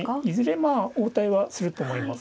まあ応対はすると思います。